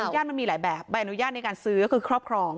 ญาติมันมีหลายแบบใบอนุญาตในการซื้อก็คือครอบครอง